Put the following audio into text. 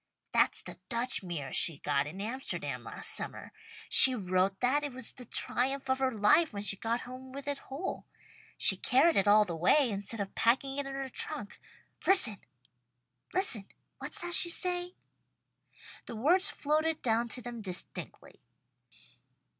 "That's the Dutch mirror she got in Amsterdam last summer. She wrote that it was the triumph of her life when she got home with it whole. She carried it all the way, instead of packing it in her trunk. Listen! What's that she's saying?" The words floated down to them distinctly.